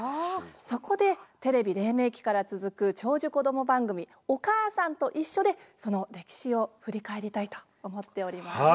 そこでテレビ黎明期から続く長寿こども番組「おかあさんといっしょ」でその歴史を振り返りたいと思っております。